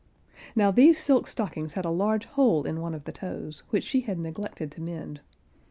Now these silk stockings had a large hole in one of the toes, which she had neglected to mend.